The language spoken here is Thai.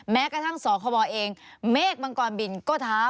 แม้กระทั่งส่อข้อบอลเองเมฆมังกรบิลก็ท้า